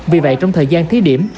vì vậy trong thời gian thiết điểm